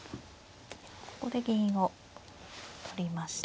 ここで銀を取りました。